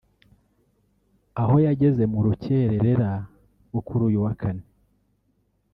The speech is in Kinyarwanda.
aho yageze mu rukererera rwo kuri uyu wa Kane